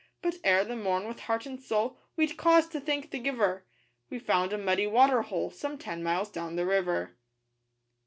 But ere the morn, with heart and soul We'd cause to thank the Giver We found a muddy water hole Some ten miles down the river.